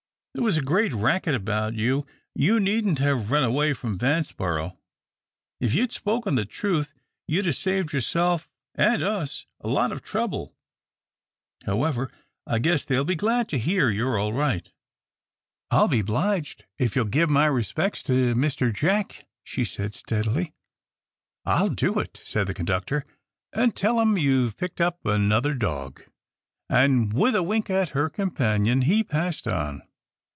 "There was a great racket about you. You needn't have run away from Vanceboro if you'd spoken the truth, you'd saved yourself and us a lot of trouble. However, I guess they'll be glad to hear you're all right." "I'll be 'bliged if you'll give my respecks to Mr. Jack," she said, steadily. "I'll do it," said the conductor, "and tell him you've picked up another dog," and with a wink at her companion, he passed on.